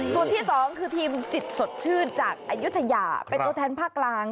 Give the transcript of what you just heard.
ส่วนที่สองคือทีมจิตสดชื่นจากอายุทยาเป็นตัวแทนภาคกลาง